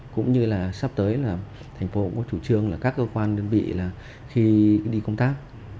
cũng như sắp tới thành phố cũng có chủ trương các cơ quan đơn vị khi đi công tác